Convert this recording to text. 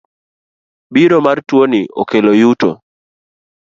Biro mar tuo ni okelo yuto.